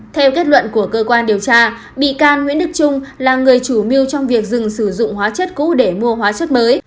theo kết luận của cơ quan điều tra bị can nguyễn đức trung là người chủ mưu trong việc dừng sử dụng hóa chất cũ để mua hóa chất mới